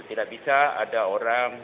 tidak bisa ada orang